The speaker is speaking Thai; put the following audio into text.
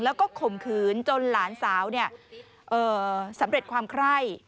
แล้วก็ข่มขืนจนหลานสาวสำเร็จความไคร่